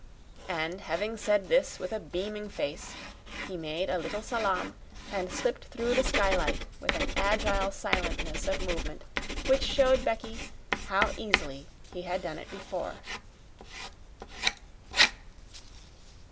And having said this with a beaming face, he made a little salaam and slipped through the skylight with an agile silentness of movement which showed Becky how easily he had done it before.